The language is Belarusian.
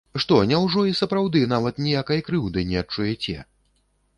Што, няўжо і сапраўды нават ніякай крыўды не адчуеце?